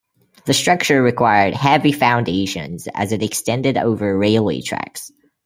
The structure required heavy foundations as it extended over railway tracks.